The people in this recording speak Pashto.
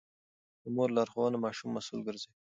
د مور لارښوونه ماشوم مسوول ګرځوي.